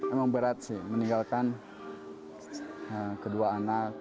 emang berat sih meninggalkan kedua anak